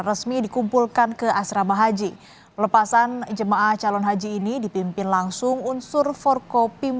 resmi dikumpulkan ke asrama haji pelepasan jemaah calon haji ini dipimpin langsung unsur forkopim